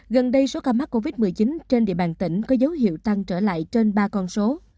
gần đây số ca mắc covid một mươi chín trên địa bàn tỉnh có dấu hiệu tăng trở lại trên ba con số